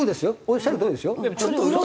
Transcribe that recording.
おっしゃるとおりですよ。